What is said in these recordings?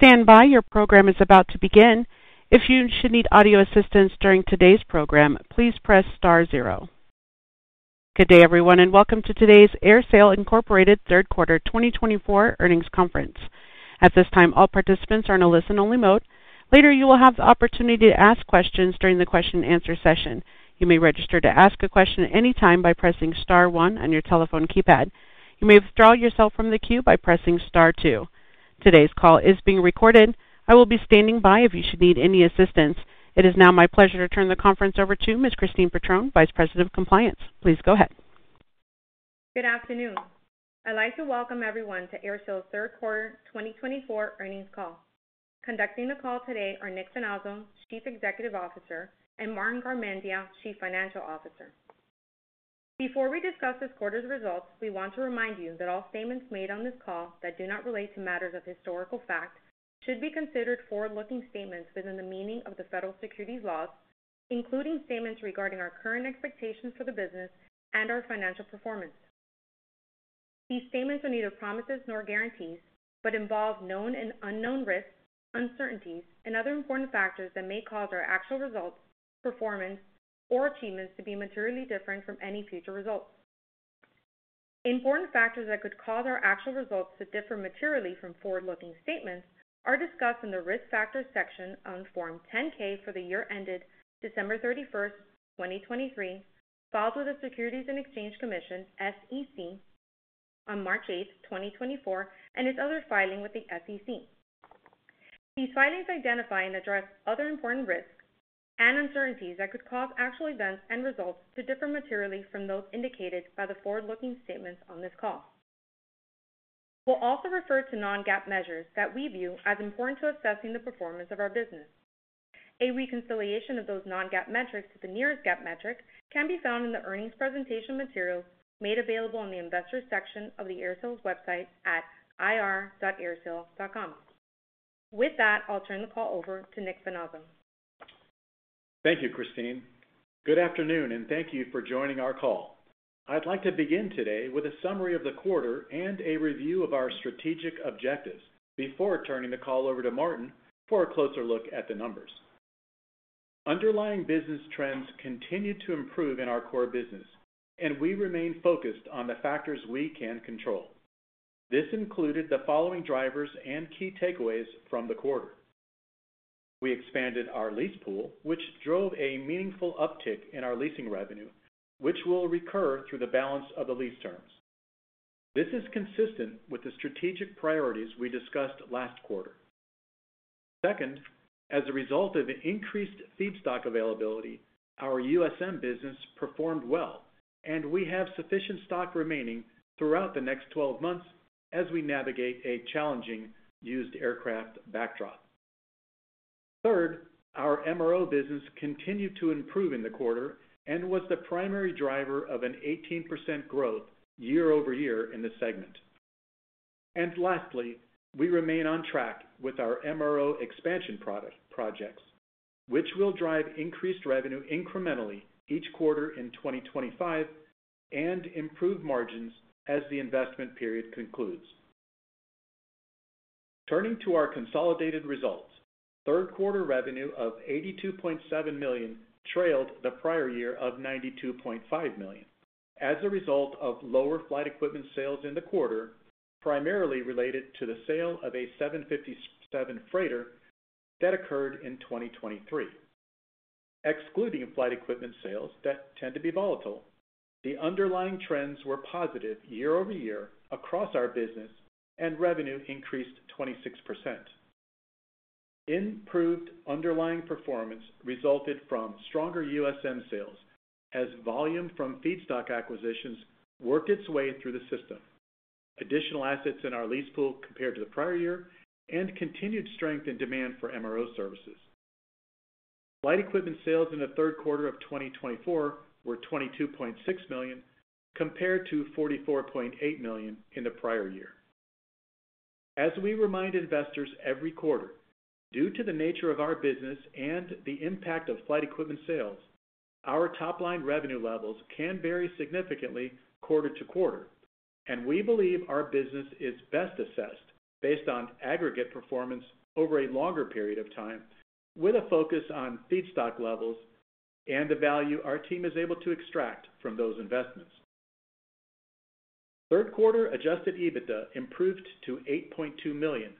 Please stand by, your program is about to begin. If you should need audio assistance during today's program, please press star zero. Good day, everyone, and welcome to today's AerSale Incorporated Third Quarter 2024 Earnings Conference. At this time, all participants are in a listen-only mode. Later, you will have the opportunity to ask questions during the question-and-answer session. You may register to ask a question at any time by pressing star one on your telephone keypad. You may withdraw yourself from the queue by pressing star two. Today's call is being recorded. I will be standing by if you should need any assistance. It is now my pleasure to turn the conference over to Ms. Christine Padron, Vice President of Compliance. Please go ahead. Good afternoon. I'd like to welcome everyone to AerSale Third Quarter 2024 earnings call. Conducting the call today are Nicolas Finazzo, Chief Executive Officer, and Martin Garmendia, Chief Financial Officer. Before we discuss this quarter's results, we want to remind you that all statements made on this call that do not relate to matters of historical fact should be considered forward-looking statements within the meaning of the federal securities laws, including statements regarding our current expectations for the business and our financial performance. These statements are neither promises nor guarantees but involve known and unknown risks, uncertainties, and other important factors that may cause our actual results, performance, or achievements to be materially different from any future results. Important factors that could cause our actual results to differ materially from forward-looking statements are discussed in the risk factors section on Form 10-K for the year ended December 31st, 2023, filed with the Securities and Exchange Commission, SEC, on March 8th, 2024, and its other filing with the SEC. These filings identify and address other important risks and uncertainties that could cause actual events and results to differ materially from those indicated by the forward-looking statements on this call. We'll also refer to non-GAAP measures that we view as important to assessing the performance of our business. A reconciliation of those non-GAAP metrics to the nearest GAAP metric can be found in the earnings presentation materials made available in the investors' section of the AerSale's website at ir.aersale.com. With that, I'll turn the call over to Nick Finazzo. Thank you, Christine. Good afternoon, and thank you for joining our call. I'd like to begin today with a summary of the quarter and a review of our strategic objectives before turning the call over to Martin for a closer look at the numbers. Underlying business trends continue to improve in our core business, and we remain focused on the factors we can control. This included the following drivers and key takeaways from the quarter. We expanded our lease pool, which drove a meaningful uptick in our leasing revenue, which will recur through the balance of the lease terms. This is consistent with the strategic priorities we discussed last quarter. Second, as a result of the increased feedstock availability, our USM business performed well, and we have sufficient stock remaining throughout the next 12 months as we navigate a challenging used aircraft backdrop. Third, our MRO business continued to improve in the quarter and was the primary driver of an 18% growth year over year in the segment. And lastly, we remain on track with our MRO expansion projects, which will drive increased revenue incrementally each quarter in 2025 and improve margins as the investment period concludes. Turning to our consolidated results, third quarter revenue of $82.7 million trailed the prior year of $92.5 million as a result of lower flight equipment sales in the quarter, primarily related to the sale of a 757 freighter that occurred in 2023. Excluding flight equipment sales that tend to be volatile, the underlying trends were positive year over year across our business, and revenue increased 26%. Improved underlying performance resulted from stronger USM sales as volume from feedstock acquisitions worked its way through the system, additional assets in our lease pool compared to the prior year, and continued strength in demand for MRO services. Flight equipment sales in the third quarter of 2024 were $22.6 million compared to $44.8 million in the prior year. As we remind investors every quarter, due to the nature of our business and the impact of flight equipment sales, our top-line revenue levels can vary significantly quarter to quarter, and we believe our business is best assessed based on aggregate performance over a longer period of time with a focus on feedstock levels and the value our team is able to extract from those investments. Third quarter Adjusted EBITDA improved to $8.2 million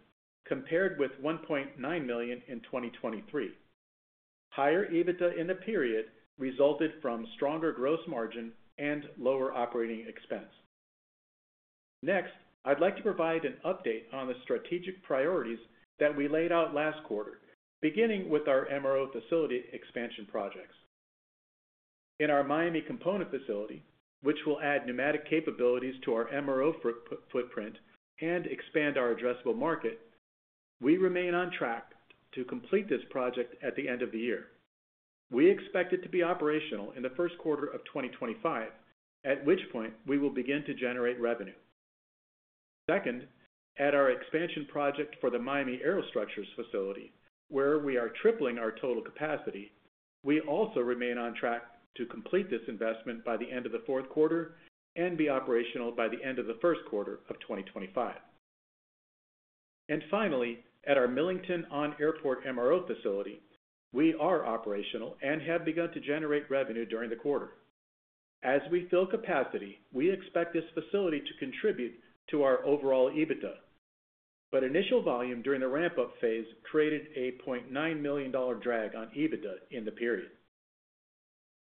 compared with $1.9 million in 2023. Higher EBITDA in the period resulted from stronger gross margin and lower operating expense. Next, I'd like to provide an update on the strategic priorities that we laid out last quarter, beginning with our MRO facility expansion projects. In our Miami component facility, which will add pneumatic capabilities to our MRO footprint and expand our addressable market, we remain on track to complete this project at the end of the year. We expect it to be operational in the first quarter of 2025, at which point we will begin to generate revenue. Second, at our expansion project for the Miami Aerostructures facility, where we are tripling our total capacity, we also remain on track to complete this investment by the end of the fourth quarter and be operational by the end of the first quarter of 2025. Finally, at our Millington on-airport MRO facility, we are operational and have begun to generate revenue during the quarter. As we fill capacity, we expect this facility to contribute to our overall EBITDA, but initial volume during the ramp-up phase created a $0.9 million drag on EBITDA in the period.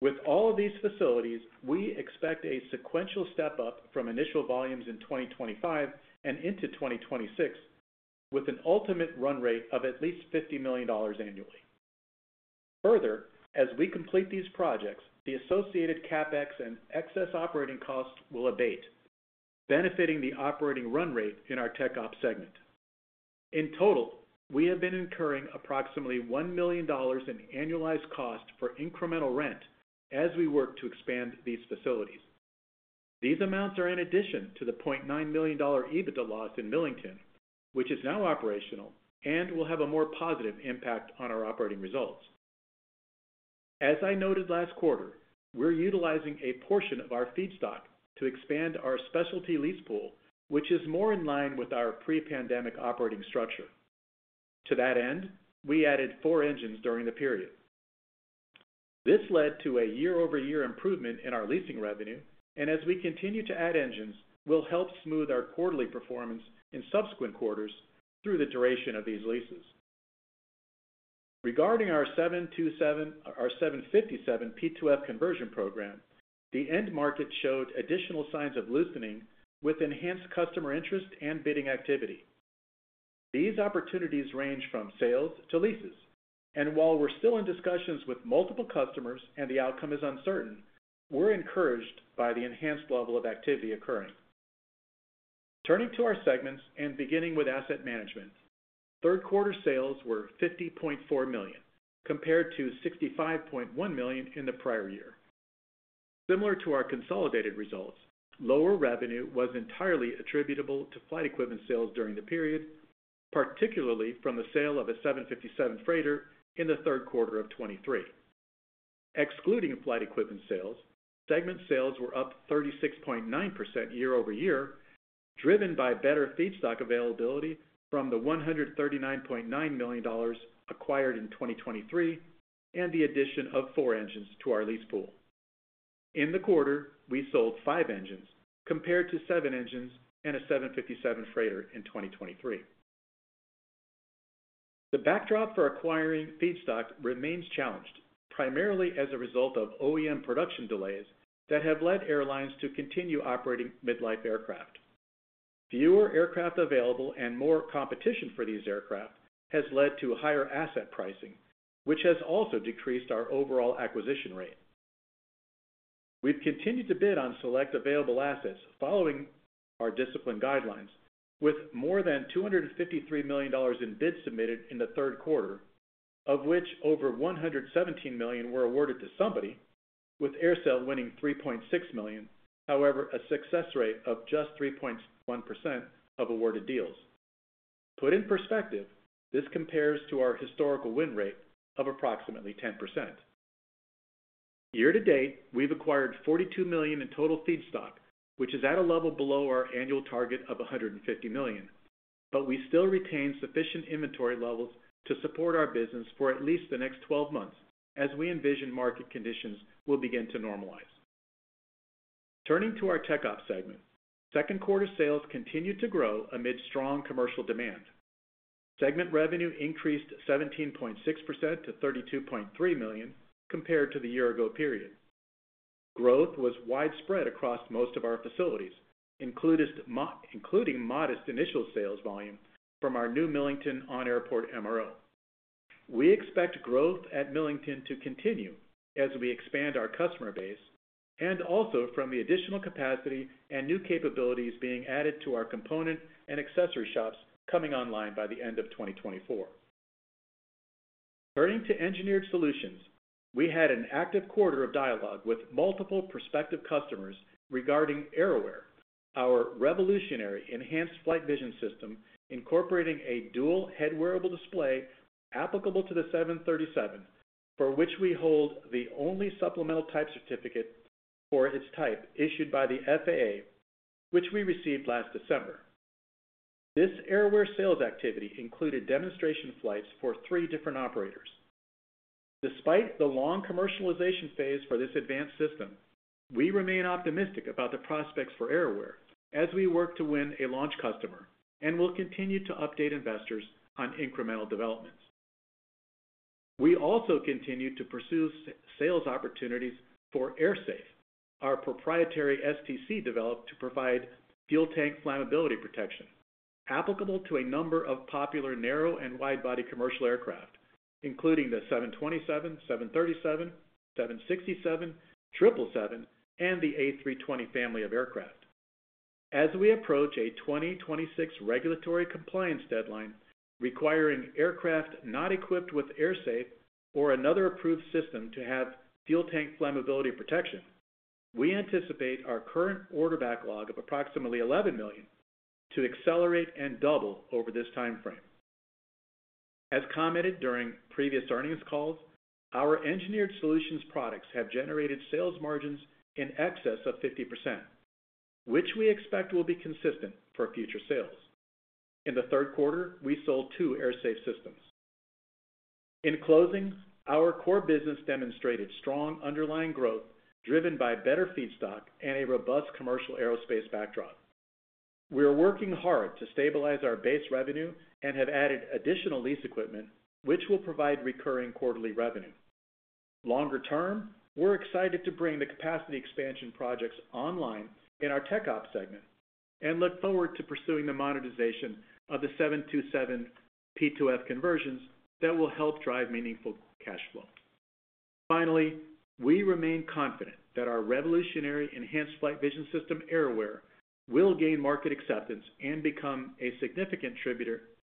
With all of these facilities, we expect a sequential step-up from initial volumes in 2025 and into 2026, with an ultimate run rate of at least $50 million annually. Further, as we complete these projects, the associated CapEx and excess operating costs will abate, benefiting the operating run rate in our TechOps segment. In total, we have been incurring approximately $1 million in annualized cost for incremental rent as we work to expand these facilities. These amounts are in addition to the $0.9 million EBITDA loss in Millington, which is now operational and will have a more positive impact on our operating results. As I noted last quarter, we're utilizing a portion of our feedstock to expand our specialty lease pool, which is more in line with our pre-pandemic operating structure. To that end, we added four engines during the period. This led to a year-over-year improvement in our leasing revenue, and as we continue to add engines, we'll help smooth our quarterly performance in subsequent quarters through the duration of these leases. Regarding our 757 P2F conversion program, the end market showed additional signs of loosening with enhanced customer interest and bidding activity. These opportunities range from sales to leases, and while we're still in discussions with multiple customers and the outcome is uncertain, we're encouraged by the enhanced level of activity occurring. Turning to our segments and beginning with asset management, third quarter sales were $50.4 million compared to $65.1 million in the prior year. Similar to our consolidated results, lower revenue was entirely attributable to flight equipment sales during the period, particularly from the sale of a 757 freighter in the third quarter of 2023. Excluding flight equipment sales, segment sales were up 36.9% year over year, driven by better feedstock availability from the $139.9 million acquired in 2023 and the addition of four engines to our lease pool. In the quarter, we sold five engines compared to seven engines and a 757 freighter in 2023. The backdrop for acquiring feedstock remains challenged, primarily as a result of OEM production delays that have led airlines to continue operating mid-life aircraft. Fewer aircraft available and more competition for these aircraft has led to higher asset pricing, which has also decreased our overall acquisition rate. We've continued to bid on select available assets following our discipline guidelines, with more than $253 million in bids submitted in the third quarter, of which over $117 million were awarded to somebody, with AerSale winning $3.6 million; however, a success rate of just 3.1% of awarded deals. Put in perspective, this compares to our historical win rate of approximately 10%. Year to date, we've acquired $42 million in total feedstock, which is at a level below our annual target of $150 million, but we still retain sufficient inventory levels to support our business for at least the next 12 months as we envision market conditions will begin to normalize. Turning to our TechOps segment, second quarter sales continued to grow amid strong commercial demand. Segment revenue increased 17.6%-$32.3 million compared to the year-ago period. Growth was widespread across most of our facilities, including modest initial sales volume from our new Millington on-airport MRO. We expect growth at Millington to continue as we expand our customer base and also from the additional capacity and new capabilities being added to our component and accessory shops coming online by the end of 2024. Turning to engineered solutions, we had an active quarter of dialogue with multiple prospective customers regarding AerAware, our revolutionary enhanced flight vision system incorporating a dual head-wearable display applicable to the 737, for which we hold the only supplemental type certificate for its type issued by the FAA, which we received last December. This AerAware sales activity included demonstration flights for three different operators. Despite the long commercialization phase for this advanced system, we remain optimistic about the prospects for AerAware as we work to win a launch customer and will continue to update investors on incremental developments. We also continue to pursue sales opportunities for AerSafe, our proprietary STC developed to provide fuel tank flammability protection applicable to a number of popular narrow and wide-body commercial aircraft, including the 727, 737, 767, 777, and the A320 family of aircraft. As we approach a 2026 regulatory compliance deadline requiring aircraft not equipped with AerSafe or another approved system to have fuel tank flammability protection, we anticipate our current order backlog of approximately $11 million to accelerate and double over this timeframe. As commented during previous earnings calls, our engineered solutions products have generated sales margins in excess of 50%, which we expect will be consistent for future sales. In the third quarter, we sold two AerSafe systems. In closing, our core business demonstrated strong underlying growth driven by better feedstock and a robust commercial aerospace backdrop. We are working hard to stabilize our base revenue and have added additional lease equipment, which will provide recurring quarterly revenue. Longer term, we're excited to bring the capacity expansion projects online in our TechOps segment and look forward to pursuing the monetization of the 757 P2F conversions that will help drive meaningful cash flow. Finally, we remain confident that our revolutionary enhanced flight vision system, AerAware, will gain market acceptance and become a significant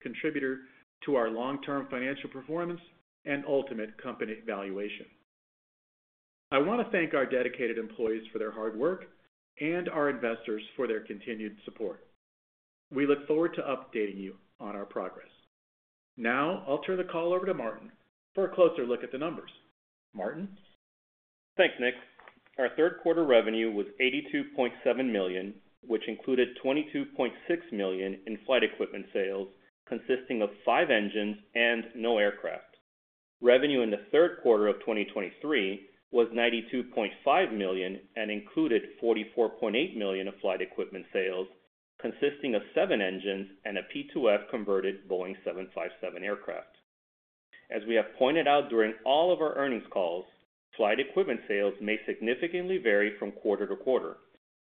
contributor to our long-term financial performance and ultimate company valuation. I want to thank our dedicated employees for their hard work and our investors for their continued support. We look forward to updating you on our progress. Now, I'll turn the call over to Martin for a closer look at the numbers. Martin. Thanks, Nick. Our third quarter revenue was $82.7 million, which included $22.6 million in flight equipment sales consisting of five engines and no aircraft. Revenue in the third quarter of 2023 was $92.5 million and included $44.8 million of flight equipment sales consisting of seven engines and a P2F converted Boeing 757 aircraft. As we have pointed out during all of our earnings calls, flight equipment sales may significantly vary from quarter to quarter,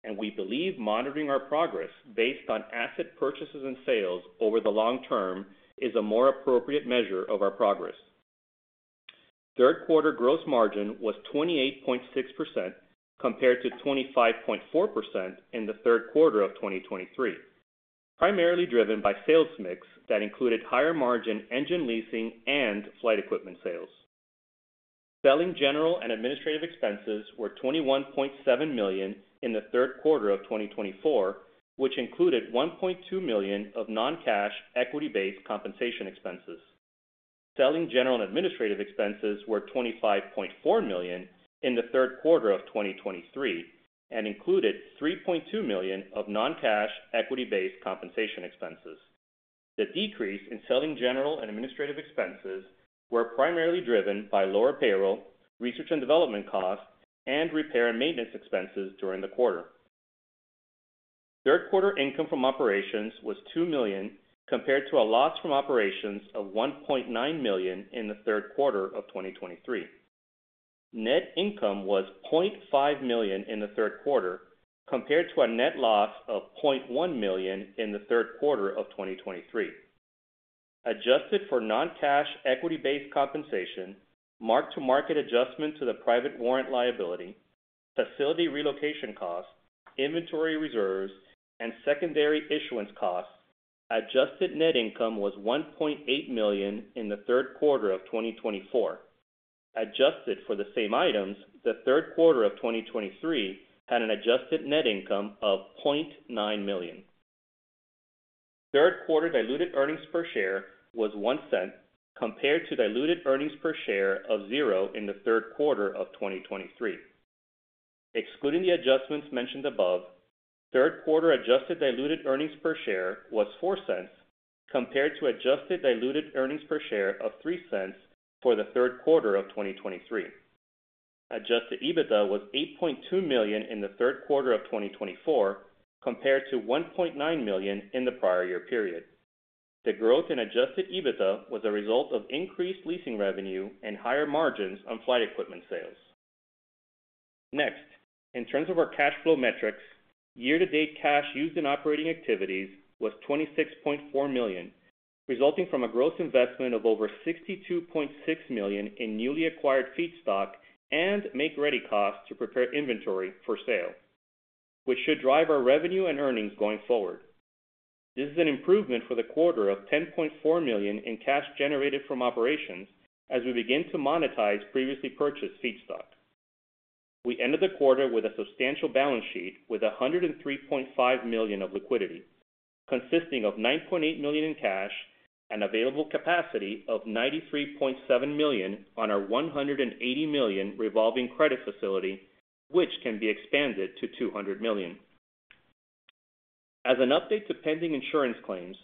and we believe monitoring our progress based on asset purchases and sales over the long term is a more appropriate measure of our progress. Third quarter gross margin was 28.6% compared to 25.4% in the third quarter of 2023, primarily driven by sales mix that included higher margin engine leasing and flight equipment sales. Selling general and administrative expenses were $21.7 million in the third quarter of 2024, which included $1.2 million of non-cash equity-based compensation expenses. Selling general and administrative expenses were $25.4 million in the third quarter of 2023 and included $3.2 million of non-cash equity-based compensation expenses. The decrease in selling general and administrative expenses was primarily driven by lower payroll, research and development costs, and repair and maintenance expenses during the quarter. Third quarter income from operations was $2 million compared to a loss from operations of $1.9 million in the third quarter of 2023. Net income was $0.5 million in the third quarter compared to a net loss of $0.1 million in the third quarter of 2023. Adjusted for non-cash equity-based compensation, mark-to-market adjustment to the private warrant liability, facility relocation costs, inventory reserves, and secondary issuance costs, adjusted net income was $1.8 million in the third quarter of 2024. Adjusted for the same items, the third quarter of 2023 had an adjusted net income of $0.9 million. Third quarter diluted earnings per share was $0.01 compared to diluted earnings per share of $0 in the third quarter of 2023. Excluding the adjustments mentioned above, third quarter adjusted diluted earnings per share was $0.04 compared to adjusted diluted earnings per share of $0.03 for the third quarter of 2023. Adjusted EBITDA was $8.2 million in the third quarter of 2024 compared to $1.9 million in the prior year period. The growth in adjusted EBITDA was a result of increased leasing revenue and higher margins on flight equipment sales. Next, in terms of our cash flow metrics, year-to-date cash used in operating activities was $26.4 million, resulting from a gross investment of over $62.6 million in newly acquired feedstock and make-ready costs to prepare inventory for sale, which should drive our revenue and earnings going forward. This is an improvement for the quarter of $10.4 million in cash generated from operations as we begin to monetize previously purchased feedstock. We ended the quarter with a substantial balance sheet with $103.5 million of liquidity, consisting of $9.8 million in cash and available capacity of $93.7 million on our $180 million revolving credit facility, which can be expanded to $200 million. As an update to pending insurance claims,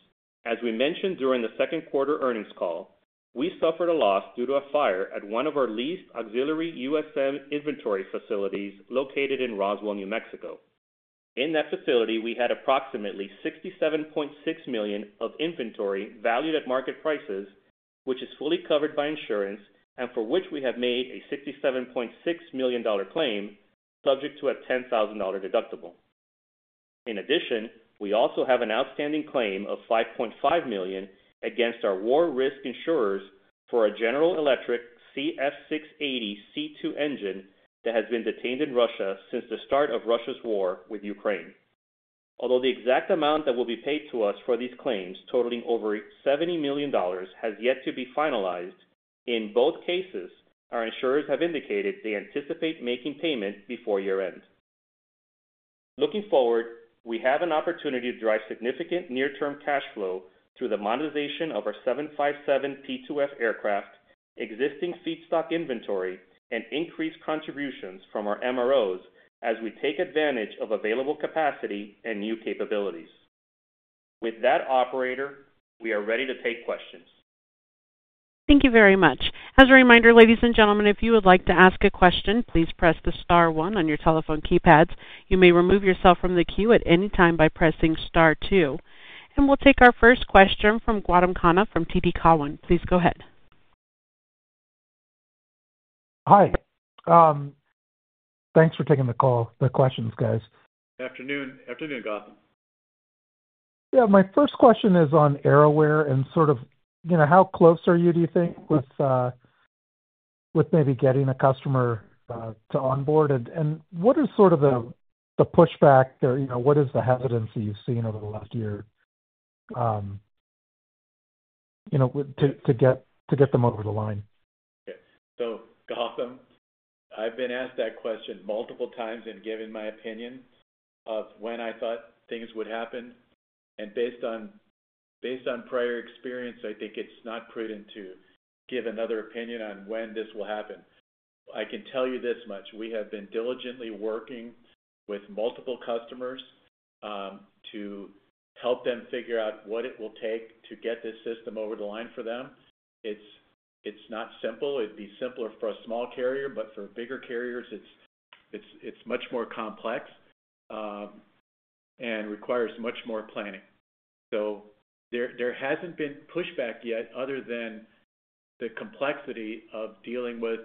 as we mentioned during the second quarter earnings call, we suffered a loss due to a fire at one of our leased auxiliary USM inventory facilities located in Roswell, New Mexico. In that facility, we had approximately $67.6 million of inventory valued at market prices, which is fully covered by insurance and for which we have made a $67.6 million claim subject to a $10,000 deductible. In addition, we also have an outstanding claim of $5.5 million against our war risk insurers for a General Electric CF6-80C2 engine that has been detained in Russia since the start of Russia's war with Ukraine. Although the exact amount that will be paid to us for these claims totaling over $70 million has yet to be finalized, in both cases, our insurers have indicated they anticipate making payment before year-end. Looking forward, we have an opportunity to drive significant near-term cash flow through the monetization of our 757 P2F aircraft, existing feedstock inventory, and increased contributions from our MROs as we take advantage of available capacity and new capabilities. With that, operator, we are ready to take questions. Thank you very much. As a reminder, ladies and gentlemen, if you would like to ask a question, please press the star one on your telephone keypads. You may remove yourself from the queue at any time by pressing star two. And we'll take our first question from Gautam Khanna from TD Cowen. Please go ahead. Hi. Thanks for taking the call, the questions, guys. Good afternoon. Afternoon, Gautam. Yeah. My first question is on AerAware and sort of how close are you, do you think, with maybe getting a customer to onboard? And what is sort of the pushback or what is the hesitancy you've seen over the last year to get them over the line? Okay. So, Gautam, I've been asked that question multiple times and given my opinion of when I thought things would happen. And based on prior experience, I think it's not prudent to give another opinion on when this will happen. I can tell you this much. We have been diligently working with multiple customers to help them figure out what it will take to get this system over the line for them. It's not simple. It'd be simpler for a small carrier, but for bigger carriers, it's much more complex and requires much more planning. So there hasn't been pushback yet other than the complexity of dealing with,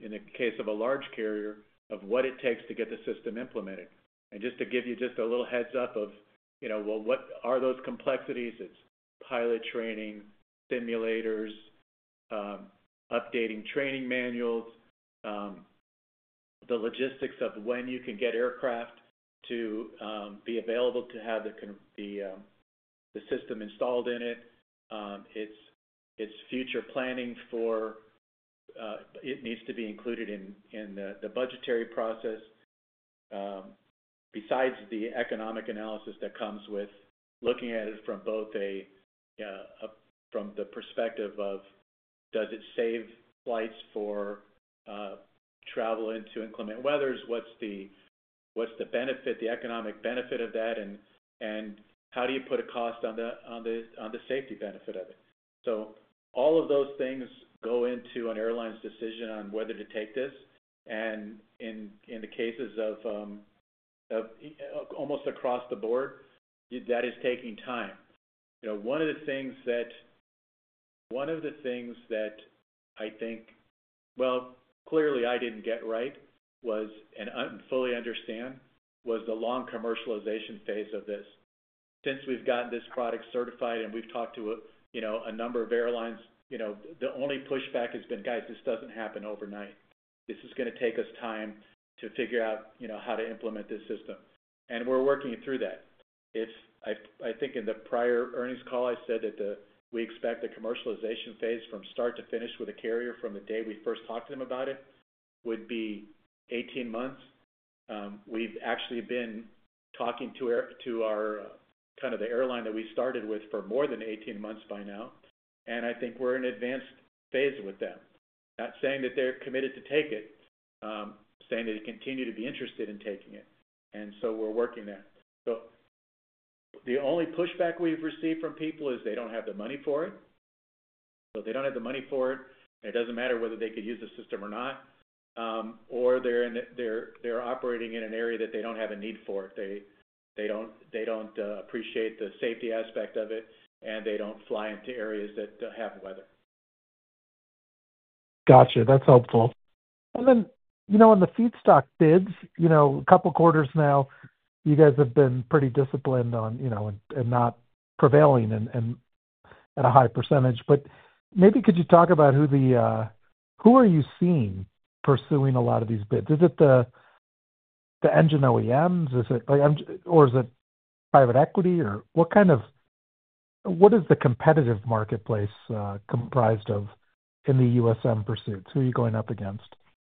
in the case of a large carrier, of what it takes to get the system implemented. And just to give you just a little heads-up of, well, what are those complexities? It's pilot training, simulators, updating training manuals, the logistics of when you can get aircraft to be available to have the system installed in it. It's future planning for it needs to be included in the budgetary process besides the economic analysis that comes with looking at it from both the perspective of, does it save flights for travel into inclement weathers? What's the benefit, the economic benefit of that? And how do you put a cost on the safety benefit of it? All of those things go into an airline's decision on whether to take this. And in the cases of almost across the board, that is taking time. One of the things that I think, well, clearly I didn't get right and fully understand was the long commercialization phase of this. Since we've gotten this product certified and we've talked to a number of airlines, the only pushback has been, "Guys, this doesn't happen overnight. This is going to take us time to figure out how to implement this system." And we're working through that. I think in the prior earnings call, I said that we expect the commercialization phase from start to finish with a carrier from the day we first talked to them about it would be 18 months. We've actually been talking to our kind of the airline that we started with for more than 18 months by now. And I think we're in advanced phase with them. Not saying that they're committed to take it, saying they continue to be interested in taking it. And so we're working there. So the only pushback we've received from people is they don't have the money for it. So if they don't have the money for it, it doesn't matter whether they could use the system or not, or they're operating in an area that they don't have a need for it. They don't appreciate the safety aspect of it, and they don't fly into areas that have weather. Gotcha. That's helpful. And then on the feedstock bids, a couple of quarters now, you guys have been pretty disciplined and not prevailing at a high percentage. But maybe could you talk about who are you seeing pursuing a lot of these bids? Is it the engine OEMs? Or is it private equity? Or what is the competitive marketplace comprised of in the USM pursuits? Who are you going up against?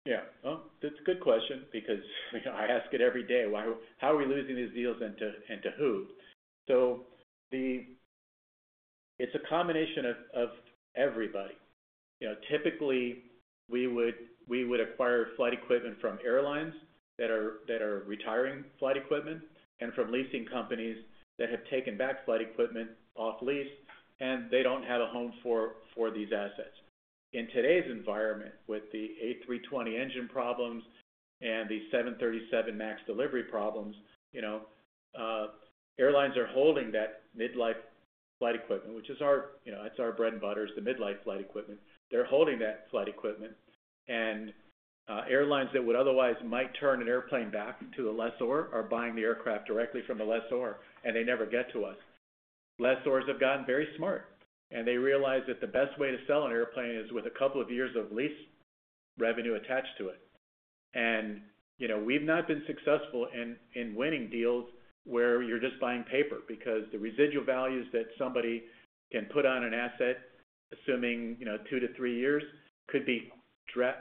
Yeah. Well, that's a good question because I ask it every day. How are we losing these deals and to who? So it's a combination of everybody. Typically, we would acquire flight equipment from airlines that are retiring flight equipment and from leasing companies that have taken back flight equipment off lease, and they don't have a home for these assets. In today's environment, with the A320 engine problems and the 737 MAX delivery problems, airlines are holding that mid-life flight equipment, which is our bread and butter. They're holding that flight equipment, and airlines that would otherwise might turn an airplane back to a lessor are buying the aircraft directly from a lessor, and they never get to us. Lessors have gotten very smart, and they realize that the best way to sell an airplane is with a couple of years of lease revenue attached to it. And we've not been successful in winning deals where you're just buying paper because the residual values that somebody can put on an asset, assuming two to three years, could be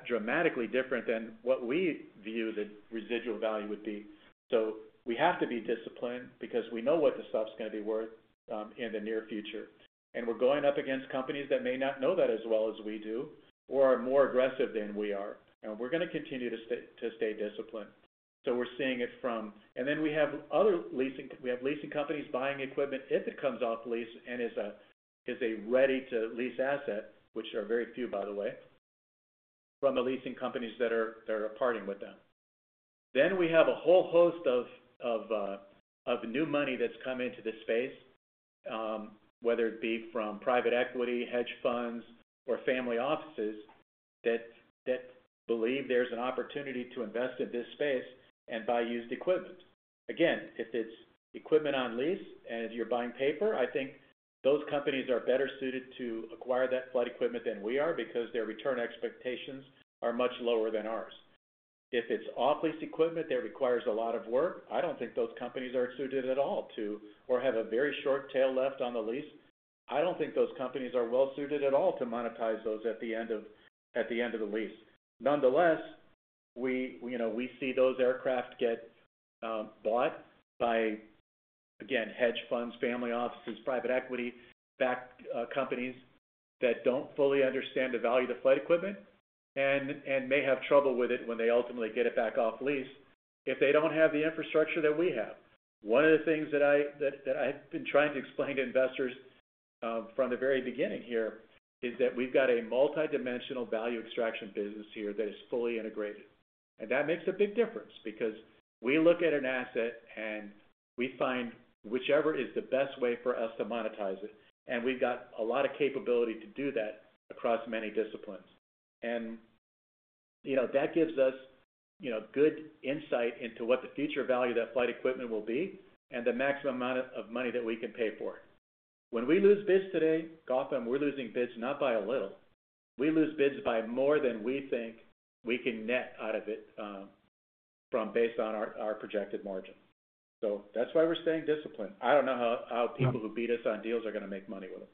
dramatically different than what we view the residual value would be. So we have to be disciplined because we know what the stuff's going to be worth in the near future. And we're going up against companies that may not know that as well as we do or are more aggressive than we are. And we're going to continue to stay disciplined. So we're seeing it from and then we have other leasing we have leasing companies buying equipment if it comes off lease and is a ready-to-lease asset, which are very few, by the way, from the leasing companies that are parting with them. Then we have a whole host of new money that's come into this space, whether it be from private equity, hedge funds, or family offices that believe there's an opportunity to invest in this space and buy used equipment. Again, if it's equipment on lease and you're buying paper, I think those companies are better suited to acquire that flight equipment than we are because their return expectations are much lower than ours. If it's off-lease equipment that requires a lot of work, I don't think those companies are suited at all to or have a very short tail left on the lease. I don't think those companies are well-suited at all to monetize those at the end of the lease. Nonetheless, we see those aircraft get bought by, again, hedge funds, family offices, private equity back companies that don't fully understand the value of the flight equipment and may have trouble with it when they ultimately get it back off lease if they don't have the infrastructure that we have. One of the things that I have been trying to explain to investors from the very beginning here is that we've got a multidimensional value extraction business here that is fully integrated. And that makes a big difference because we look at an asset and we find whichever is the best way for us to monetize it. And we've got a lot of capability to do that across many disciplines. And that gives us good insight into what the future value of that flight equipment will be and the maximum amount of money that we can pay for it. When we lose bids today, Gautam, we're losing bids not by a little. We lose bids by more than we think we can net out of it based on our projected margin. So that's why we're staying disciplined. I don't know how people who beat us on deals are going to make money with it.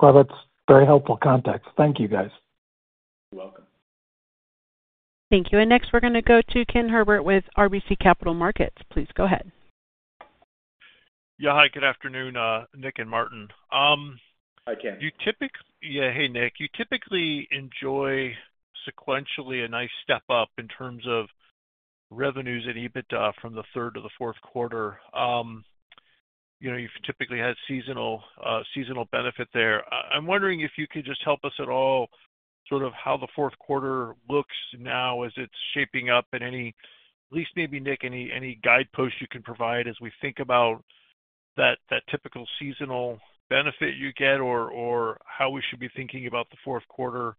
Well, that's very helpful context. Thank you, guys. You're welcome. Thank you. Next, we're going to go to Ken Herbert with RBC Capital Markets. Please go ahead. Yeah. Hi. Good afternoon, Nick and Martin. Hi, Ken. Yeah. Hey, Nick. You typically enjoy sequentially a nice step up in terms of revenues and EBITDA from the third to the fourth quarter. You've typically had seasonal benefit there. I'm wondering if you could just help us at all sort of how the fourth quarter looks now as it's shaping up and at least maybe, Nick, any guideposts you can provide as we think about that typical seasonal benefit you get or how we should be thinking about the fourth quarter,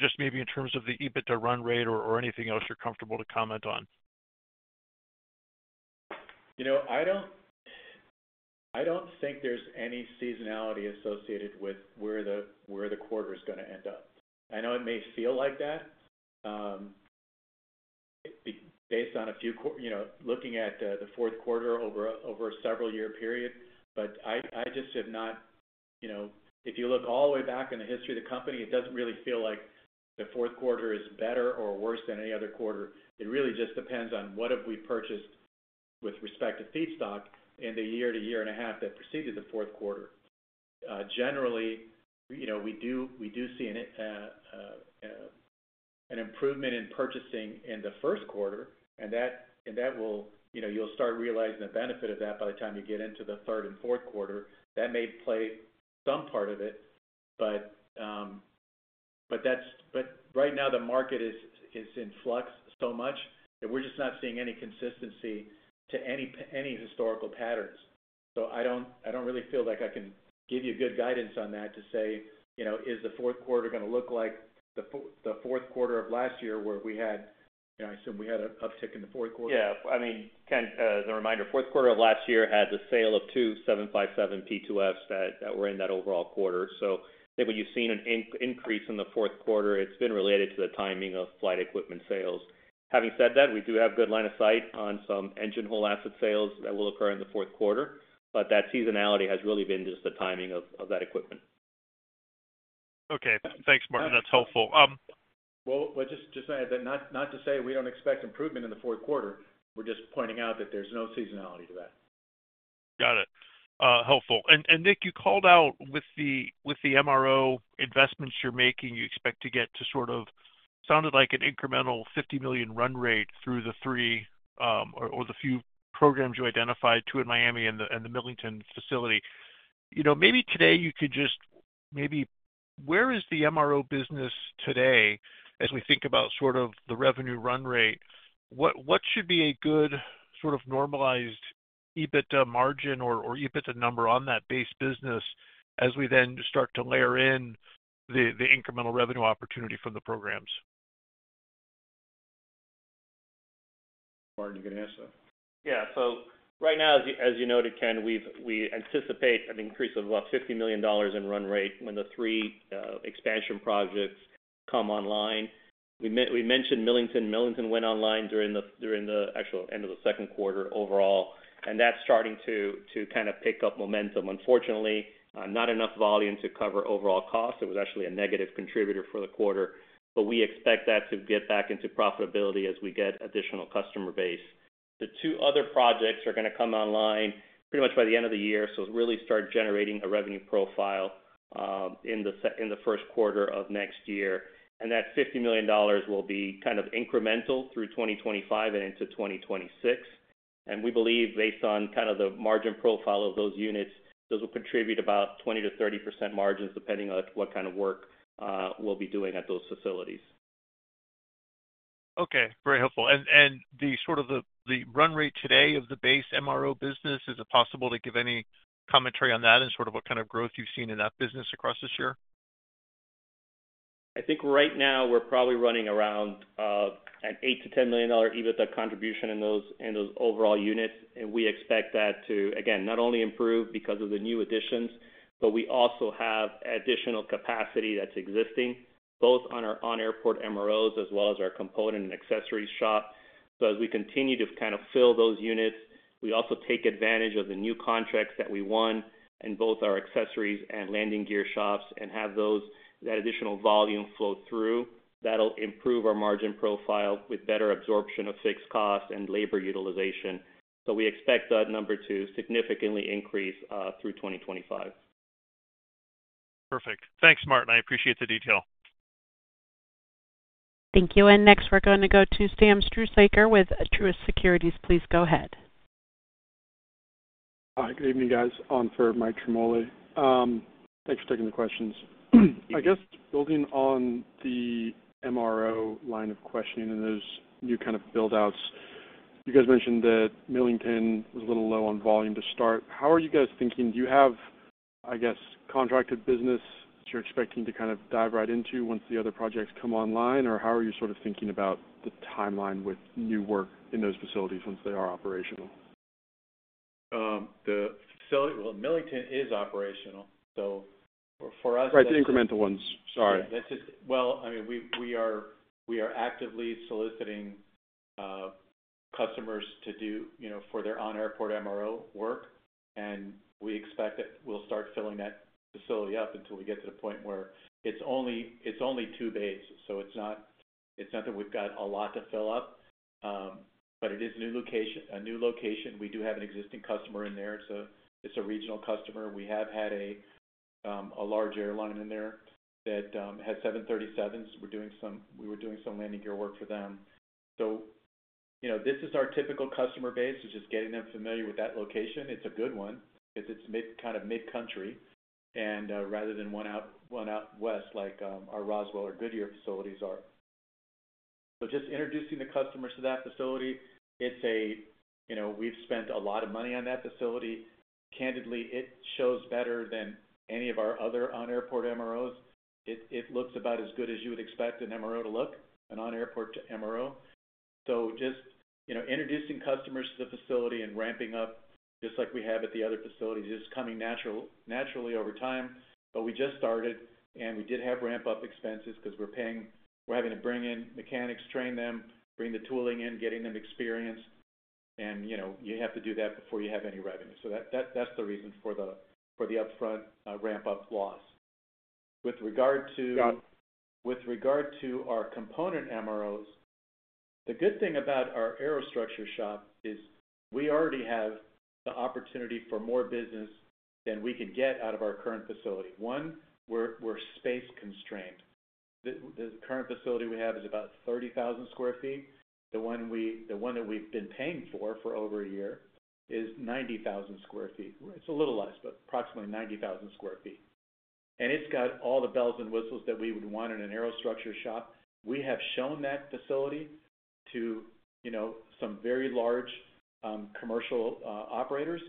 just maybe in terms of the EBITDA run rate or anything else you're comfortable to comment on. I don't think there's any seasonality associated with where the quarter is going to end up. I know it may feel like that based on a few looking at the fourth quarter over a several-year period, but I just have not if you look all the way back in the history of the company, it doesn't really feel like the fourth quarter is better or worse than any other quarter. It really just depends on what have we purchased with respect to feedstock in the year to year and a half that preceded the fourth quarter. Generally, we do see an improvement in purchasing in the first quarter, and you'll start realizing the benefit of that by the time you get into the third and fourth quarter. That may play some part of it, but right now, the market is in flux so much that we're just not seeing any consistency to any historical patterns. So I don't really feel like I can give you good guidance on that to say, "Is the fourth quarter going to look like the fourth quarter of last year where we had, I assume, an uptick in the fourth quarter?" Yeah. I mean, as a reminder, fourth quarter of last year had the sale of two 757 P2Fs that were in that overall quarter. So I think when you've seen an increase in the fourth quarter, it's been related to the timing of flight equipment sales. Having said that, we do have good line of sight on some engine hull asset sales that will occur in the fourth quarter, but that seasonality has really been just the timing of that equipment. Okay. Thanks, Martin. That's helpful. Well, just so I had that, not to say we don't expect improvement in the fourth quarter. We're just pointing out that there's no seasonality to that. Got it. Helpful. Nick, you called out with the MRO investments you're making. You expect to get to sort of sounded like an incremental $50 million run rate through the three or the few programs you identified, two in Miami and the Millington facility. Maybe today, you could just maybe where is the MRO business today as we think about sort of the revenue run rate? What should be a good sort of normalized EBITDA margin or EBITDA number on that base business as we then start to layer in the incremental revenue opportunity from the programs? Martin, you can answer. Yeah, so right now, as you noted, Ken, we anticipate an increase of about $50 million in run rate when the three expansion projects come online. We mentioned Millington. Millington went online during the actual end of the second quarter overall, and that's starting to kind of pick up momentum. Unfortunately, not enough volume to cover overall costs. It was actually a negative contributor for the quarter, but we expect that to get back into profitability as we get additional customer base. The two other projects are going to come online pretty much by the end of the year, so it'll really start generating a revenue profile in the first quarter of next year, and that $50 million will be kind of incremental through 2025 and into 2026, and we believe, based on kind of the margin profile of those units, those will contribute about 20%-30% margins depending on what kind of work we'll be doing at those facilities. Okay. Very helpful. Sort of the run rate today of the base MRO business, is it possible to give any commentary on that and sort of what kind of growth you've seen in that business across this year? I think right now, we're probably running around an $8 million-$10 million EBITDA contribution in those overall units. We expect that to, again, not only improve because of the new additions, but we also have additional capacity that's existing both on our on-airport MROs as well as our component and accessories shop. As we continue to kind of fill those units, we also take advantage of the new contracts that we won in both our accessories and landing gear shops and have that additional volume flow through. That'll improve our margin profile with better absorption of fixed costs and labor utilization. So we expect that number to significantly increase through 2025. Perfect. Thanks, Martin. I appreciate the detail. Thank you. And next, we're going to go to Samuel Struhsaker with Truist Securities. Please go ahead. Hi. Good evening, guys. On for Mike Ciarmoli. Thanks for taking the questions. I guess building on the MRO line of questioning and those new kind of buildouts, you guys mentioned that Millington was a little low on volume to start. How are you guys thinking? Do you have, I guess, contracted business that you're expecting to kind of dive right into once the other projects come online? Or how are you sort of thinking about the timeline with new work in those facilities once they are operational? Well, Millington is operational. So for us, right, the incremental ones. Sorry. Well, I mean, we are actively soliciting customers for their on-airport MRO work, and we expect that we'll start filling that facility up until we get to the point where it's only two bays. So it's not that we've got a lot to fill up, but it is a new location. We do have an existing customer in there. It's a regional customer. We have had a large airline in there that has 737s. We were doing some landing gear work for them. So this is our typical customer base, which is getting them familiar with that location. It's a good one because it's kind of mid-country. And rather than one out west like our Roswell or Goodyear facilities are. So just introducing the customers to that facility, we've spent a lot of money on that facility. Candidly, it shows better than any of our other on-airport MROs. It looks about as good as you would expect an MRO to look, an on-airport MRO. So just introducing customers to the facility and ramping up, just like we have at the other facilities, is coming naturally over time. But we just started, and we did have ramp-up expenses because we're having to bring in mechanics, train them, bring the tooling in, getting them experienced. And you have to do that before you have any revenue. So that's the reason for the upfront ramp-up loss. With regard to our component MROs, the good thing about our aero structure shop is we already have the opportunity for more business than we can get out of our current facility. One, we're space constrained. The current facility we have is about 30,000 sq ft. The one that we've been paying for for over a year is 90,000 sq ft. It's a little less, but approximately 90,000 sq ft. And it's got all the bells and whistles that we would want in an aero structure shop. We have shown that facility to some very large commercial operators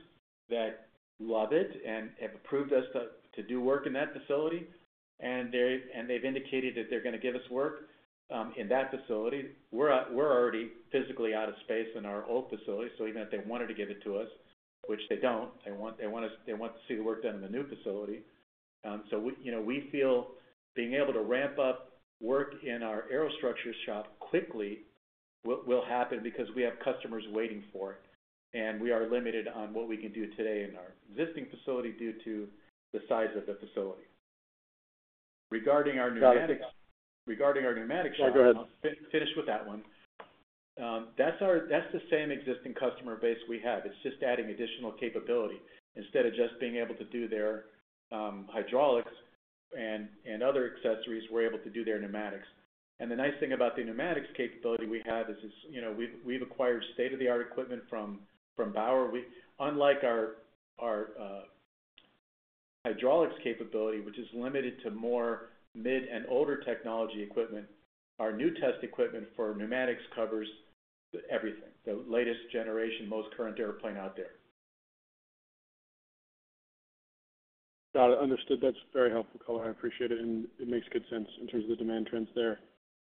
that love it and have approved us to do work in that facility. And they've indicated that they're going to give us work in that facility. We're already physically out of space in our old facility. So even if they wanted to give it to us, which they don't, they want to see the work done in the new facility. So we feel being able to ramp up work in our aero structure shop quickly will happen because we have customers waiting for it. And we are limited on what we can do today in our existing facility due to the size of the facility. Regarding our pneumatics. Got it. Regarding our pneumatic shop, finish with that one. That's the same existing customer base we have. It's just adding additional capability. Instead of just being able to do their hydraulics and other accessories, we're able to do their pneumatics. And the nice thing about the pneumatics capability we have is we've acquired state-of-the-art equipment from Bauer. Unlike our hydraulics capability, which is limited to more mid and older technology equipment, our new test equipment for pneumatics covers everything, the lat est generation, most current airplane out there. Got it. Understood. That's very helpful, Colin. I appreciate it. And it makes good sense in terms of the demand trends there.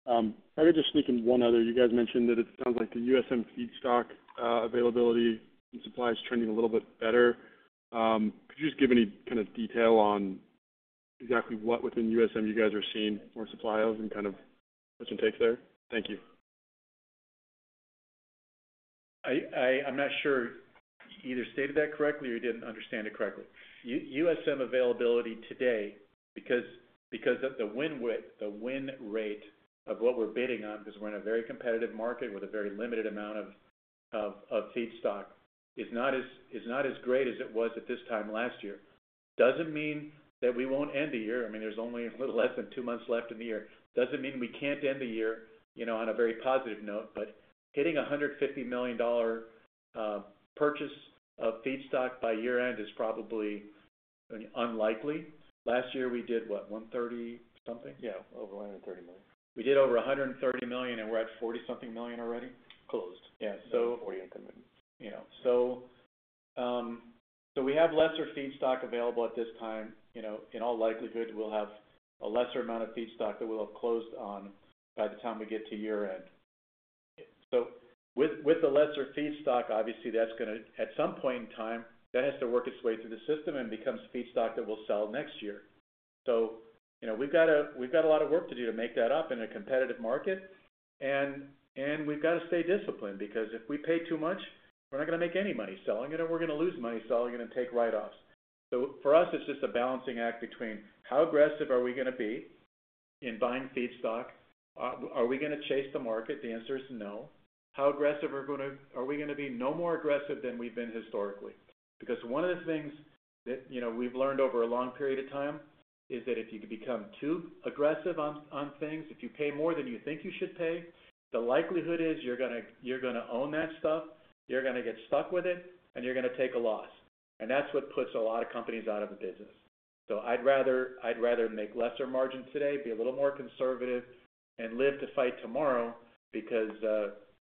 I got to just sneak in one other. You guys mentioned that it sounds like the USM feedstock availability and supply is trending a little bit better. Could you just give any kind of detail on exactly what within USM you guys are seeing more supply of and kind of what's intake there? Thank you. I'm not sure you either stated that correctly or you didn't understand it correctly. USM availability today, because the win rate of what we're bidding on, because we're in a very competitive market with a very limited amount of feedstock, is not as great as it was at this time last year. Doesn't mean that we won't end the year. I mean, there's only a little less than two months left in the year. Doesn't mean we can't end the year on a very positive note, but hitting a $150 million purchase of feedstock by year-end is probably unlikely. Last year, we did what, $130-something? Yeah. Over $130 million. We did over $130 million, and we're at $40-something million already? Yeah. So, 40 and something. So, we have lesser feedstock available at this time. In all likelihood, we'll have a lesser amount of feedstock that we'll have closed on by the time we get to year-end. So, with the lesser feedstock, obviously, that's going to at some point in time, that has to work its way through the system and becomes feedstock that we'll sell next year. So, we've got a lot of work to do to make that up in a competitive market. And we've got to stay disciplined because if we pay too much, we're not going to make any money selling it, and we're going to lose money selling it and take write-offs. So, for us, it's just a balancing act between how aggressive are we going to be in buying feedstock? Are we going to chase the market? The answer is no. How aggressive are we going to be? No more aggressive than we've been historically. Because one of the things that we've learned over a long period of time is that if you become too aggressive on things, if you pay more than you think you should pay, the likelihood is you're going to own that stuff, you're going to get stuck with it, and you're going to take a loss. And that's what puts a lot of companies out of the business. So I'd rather make lesser margin today, be a little more conservative, and live to fight tomorrow because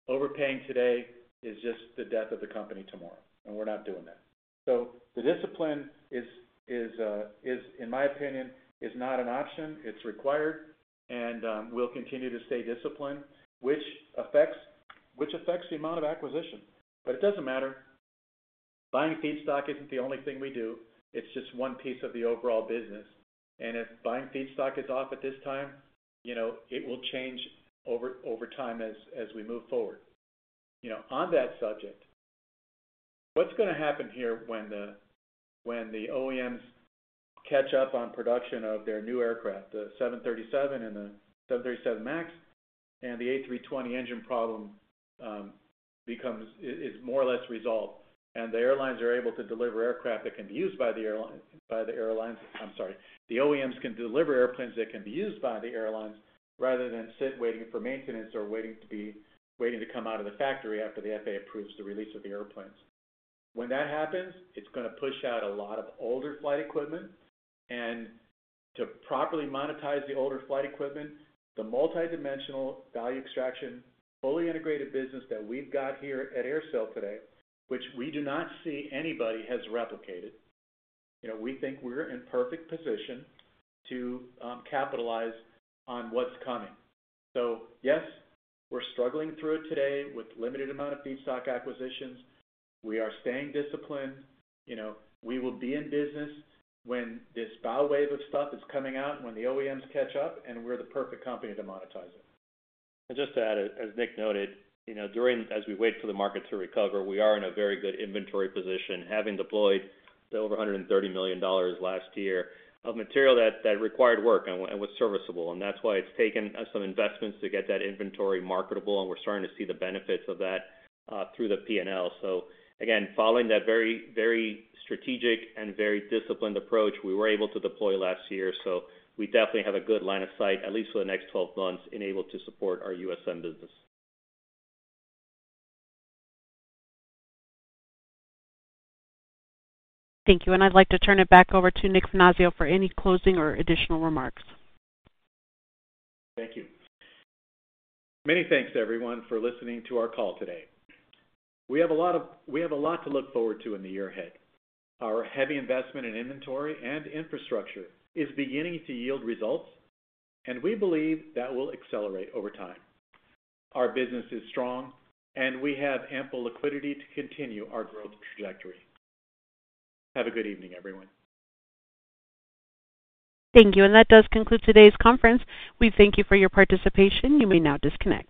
overpaying today is just the death of the company tomorrow. And we're not doing that. So the discipline, in my opinion, is not an option. It's required. And we'll continue to stay disciplined, which affects the amount of acquisition. But it doesn't matter. Buying feedstock isn't the only thing we do. It's just one piece of the overall business, and if buying feedstock is off at this time, it will change over time as we move forward. On that subject, what's going to happen here when the OEMs catch up on production of their new aircraft, the 737 and the 737 MAX, and the A320 engine problem is more or less resolved, and the airlines are able to deliver aircraft that can be used by the airlines. I'm sorry, the OEMs can deliver airplanes that can be used by the airlines rather than sit waiting for maintenance or waiting to come out of the factory after the FAA approves the release of the airplanes. When that happens, it's going to push out a lot of older flight equipment. And to properly monetize the older flight equipment, the multidimensional value extraction fully integrated business that we've got here at AerSale today, which we do not see anybody has replicated, we think we're in perfect position to capitalize on what's coming. So yes, we're struggling through it today with limited amount of feedstock acquisitions. We are staying disciplined. We will be in business when this bow wave of stuff is coming out, when the OEMs catch up, and we're the perfect company to monetize it. And just to add, as Nick noted, as we wait for the market to recover, we are in a very good inventory position, having deployed the over $130 million last year of material that required work and was serviceable. And that's why it's taken some investments to get that inventory marketable. And we're starting to see the benefits of that through the P&L. So again, following that very strategic and very disciplined approach, we were able to deploy last year. So we definitely have a good line of sight, at least for the next 12 months, and able to support our USM business. Thank you. And I'd like to turn it back over to Nick Finazzo for any closing or additional remarks. Thank you. Many thanks, everyone, for listening to our call today. We have a lot to look forward to in the year ahead. Our heavy investment in inventory and infrastructure is beginning to yield results, and we believe that will accelerate over time. Our business is strong, and we have ample liquidity to continue our growth trajectory. Have a good evening, everyone. Thank you. And that does conclude today's conference. We thank you for your participation. You may now disconnect.